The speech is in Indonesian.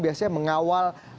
biasanya mengawal penyelidikan ini